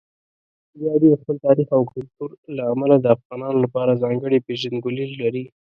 خوږیاڼي د خپل تاریخ او کلتور له امله د افغانانو لپاره ځانګړې پېژندګلوي لري.